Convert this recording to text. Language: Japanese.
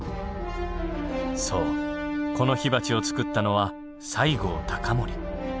そうこの火鉢を作ったのは西郷隆盛。